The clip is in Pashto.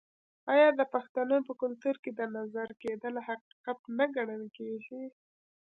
آیا د پښتنو په کلتور کې د نظر کیدل حقیقت نه ګڼل کیږي؟